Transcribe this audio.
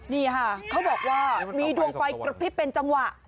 นี่ค่ะเขาบอกว่ามีดวงไฟกระพริบเป็นจังหวะ